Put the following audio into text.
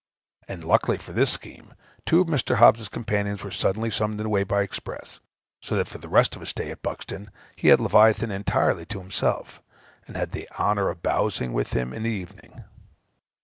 And luckily for this scheme, two of Mr. Hobbes's companions were suddenly summoned away by express; so that, for the rest of his stay at Buxton, he had Leviathan entirely to himself, and had the honor of bowsing with him in the evening.